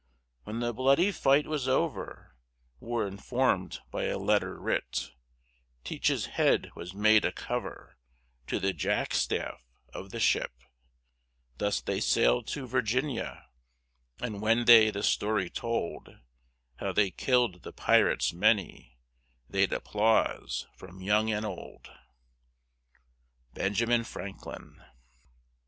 When the bloody Fight was over, We're informed by a Letter writ, Teach's Head was made a Cover, To the Jack Staff of the Ship; Thus they sailed to Virginia, And when they the Story told, How they kill'd the Pirates many, They'd Applause from young and old. BENJAMIN FRANKLIN.